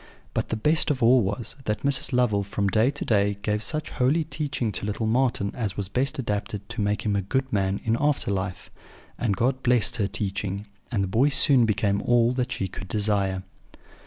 But the best of all was, that Mrs. Lovel from day to day gave such holy teaching to little Marten as was best adapted to make him a good man in after life; and God blessed her teaching, and the boy soon became all that she could desire.